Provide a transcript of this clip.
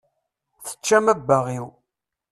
Teččam abbaɣ-iw.